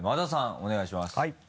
お願いします。